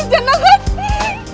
ya gue jalan makasih banget